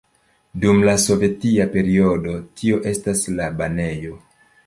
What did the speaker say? Dum la sovetia periodo tio estas la banejo.